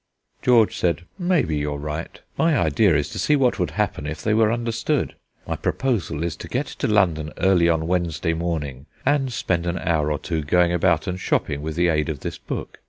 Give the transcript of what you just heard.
George said: "Maybe you are right; my idea is to see what would happen if they were understood. My proposal is to get to London early on Wednesday morning, and spend an hour or two going about and shopping with the aid of this book.